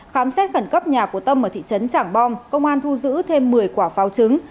khám xét khẩn cấp nhà của tâm ở thị trấn trảng bom công an thu giữ thêm một mươi quả pháo trứng